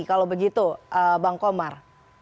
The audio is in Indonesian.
kalau begitu bang komar